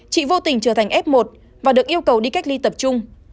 chị vô tình trở thành f một và được yêu cầu đi cách ly tập trung